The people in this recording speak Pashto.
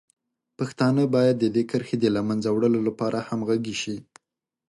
پښتانه باید د دې کرښې د له منځه وړلو لپاره همغږي شي.